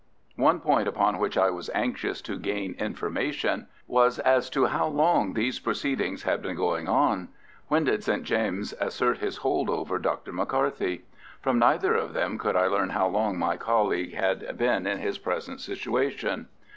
One point upon which I was anxious to gain information was as to how long these proceedings had been going on. When did St. James assert his hold over Dr. McCarthy? From neither of them could I learn how long my colleague had been in his present situation.